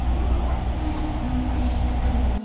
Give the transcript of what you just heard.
ならなおさら引っかかるわね。